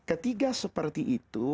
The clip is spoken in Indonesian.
nah ketika seperti itu